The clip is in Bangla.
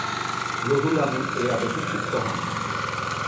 রুহুল আমিন এই আদেশে ক্ষিপ্ত হন।